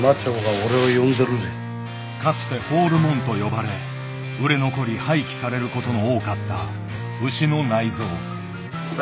かつて「放るもん」と呼ばれ売れ残り廃棄されることの多かった牛の内臓。